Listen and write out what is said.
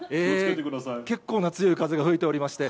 結構な強い風が吹いておりまして、